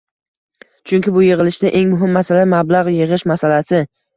Chunki bu yig'ilishda eng muhim masala - mablag 'yig'ish masalasi